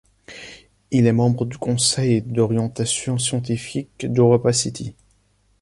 Il est membre du conseil d'orientation scientifique d'EuropaCity.